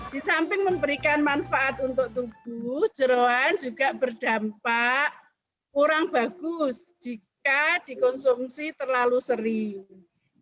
di samping memberikan manfaat untuk tubuh jerawan juga berdampak kurang bagus jika dikonsumsi terlalu sering